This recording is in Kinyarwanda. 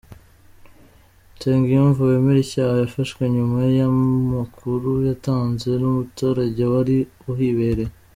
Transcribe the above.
Nsengiyumva wemera icyaha yafashwe nyuma y’amakuru yatanzwe n’umuturage wari uhibereye.